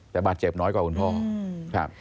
แต่บาดเจ็บน้อยกว่าคุณพ่อครับ